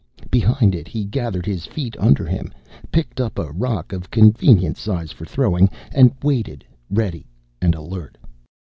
Behind it, he gathered his feet under him, picked up a rock of convenient size for throwing, and waited, ready and alert.